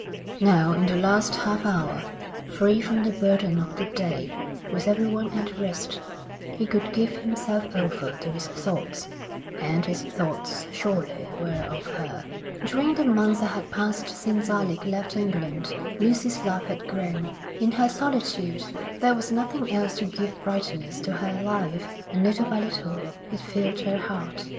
Now in that last half hour, free from the burden of the day, with everyone at rest, he could give himself over to his thoughts, and his thoughts surely were of her. During the months that had passed since Alec left England, Lucy's love had grown. In her solitude there was nothing else to give brightness to her life, and little by little it filled her heart.